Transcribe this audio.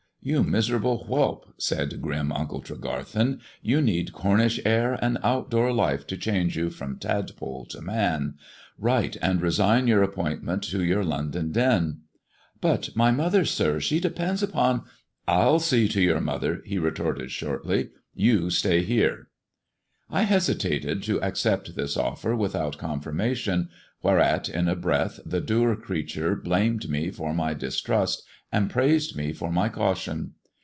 " You miserable whelp," said grim Uncle Tregarilieni "you need Cornish air and out door life to change you from tadpole to man. Write and resign your appoint^ mei^t in your London den." " But my mother, sir : she depends upon "" I'll see to your mother," he retorted shortly ;" you stay here !" I hesitated to accept this offer without cornfirmation, whereat, in a breath, the dour creature blamed me for my distrust, and praised me for my caution.